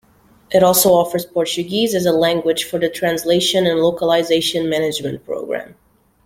It also offers Portuguese as a language for the Translation and Localization Management program.